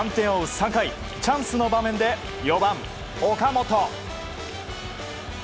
３回チャンスの場面で４番、岡本。